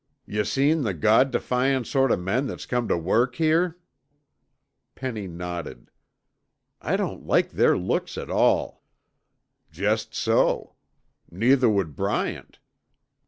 "Yuh seen the God defyin' sort o' men that's come tuh work here?" Penny nodded. "I don't like their looks at all." "Jest so. Neither would Bryant.